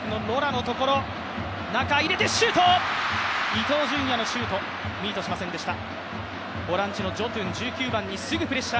伊東純也のシュートミートしませんでした。